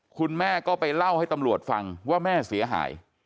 คุณแม่ก็ไปเล่าให้ตำรวจฟังว่าแม่เสียหาย